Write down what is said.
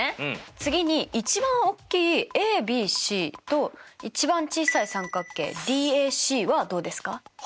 次に一番大きいＡＢＣと一番小さい三角形ＤＡＣはどうですか？